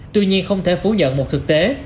tuy nhiên không thể phủ nhận một thực tế